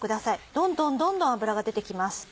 どんどんどんどん脂が出て来ます。